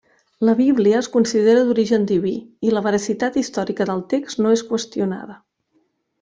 La Bíblia es considera d'origen diví, i la veracitat històrica del text no és qüestionada.